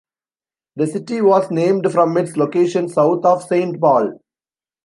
The city was named from its location south of Saint Paul.